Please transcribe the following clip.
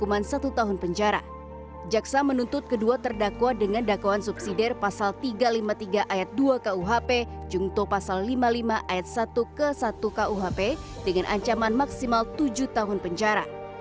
ancaman maksimal tujuh tahun penjara